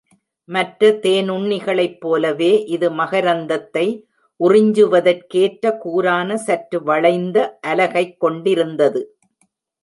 மற்ற தேனுண்ணிகளைப் போலவே, இது மகரந்தத்தை உறிஞ்சுவதற்கேற்ற, கூரான, சற்று வளைந்த அலகைக் கொண்டிருந்தது.